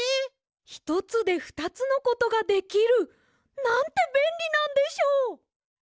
ひとつでふたつのことができる。なんてべんりなんでしょう！